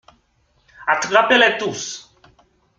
Attrapez-les tous!